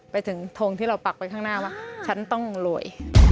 ไปถึงทงที่เราปักไว้ข้างหน้าว่าฉันต้องรวย